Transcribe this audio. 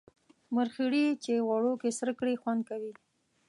مرخیړي چی غوړو کی سره کړی خوند کوي